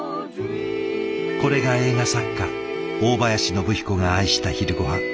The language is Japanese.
これが映画作家大林宣彦が愛した昼ごはん。